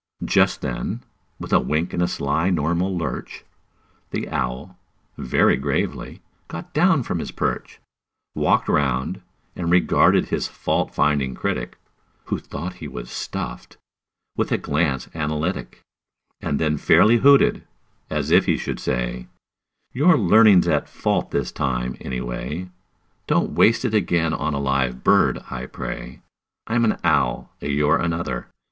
Just then, with a wink and a sly normal lurch, The owl, very gravely, got down from his perch, Walked round, and regarded his fault finding critic (Who thought he was stuffed) with a glance analytic, And then fairly hooted, as if he should say: "Your learning's at fault this time, any way; Don't waste it again on a live bird, I pray. I'm an owl; you're another.